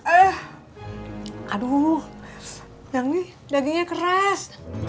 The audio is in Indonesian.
eh aduh yang ini dagingnya keras